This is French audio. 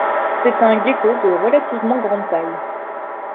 C'est un gecko de relativement grande taille.